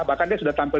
bahkan dia sudah tampil